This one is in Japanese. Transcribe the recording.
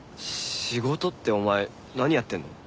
仕事ってお前何やってんの？